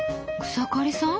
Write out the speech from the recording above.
草刈さん